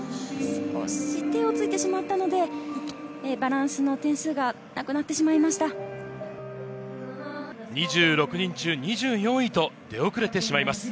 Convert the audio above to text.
少し手をついてしまったので、バランスの点数がなくなってしまいました。